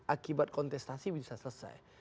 akibat kontestasi bisa selesai